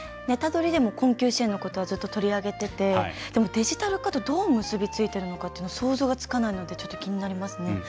「ネタドリ！」でも困窮支援のことはずっと取り上げててでも、デジタル化とどう結び付いてるのかっていうの想像がつかないのでちょっと気になりますね。